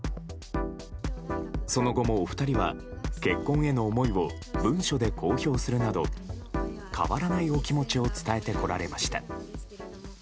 その後も、お二人は結婚への思いを文書で公表するなど変わらないお気持ちを伝えてこられました。